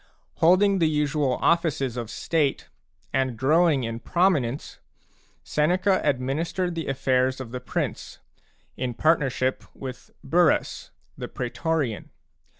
Holding the usual offices of state, and growing in prominence, Seneca administered the afFairs of the prince, in partnership with Burrus, the praetorian.